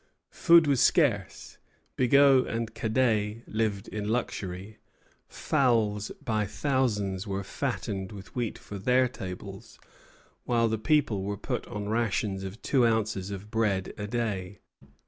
Food was scarce. Bigot and Cadet lived in luxury; fowls by thousands were fattened with wheat for their tables, while the people were put on rations of two ounces of bread a day.